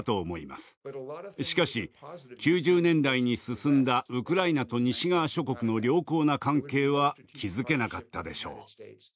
しかし９０年代に進んだウクライナと西側諸国の良好な関係は築けなかったでしょう。